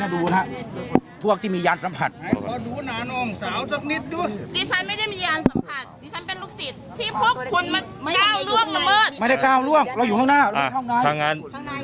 เราอยู่ข้างหน้าเราอยู่ข้างในทางนั้นข้างในอยู่ข้างใน